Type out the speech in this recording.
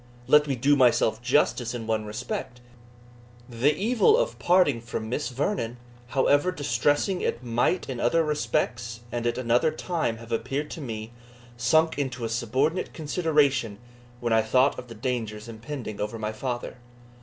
Let me do myself justice in one respect. The evil of parting from Miss Vernon, however distressing it might in other respects and at another time have appeared to me, sunk into a subordinate consideration when I thought of the dangers impending over my father.